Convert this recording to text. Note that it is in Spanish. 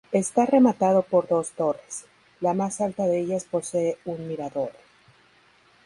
Está rematado por dos torres, la más alta de ellas posee un mirador.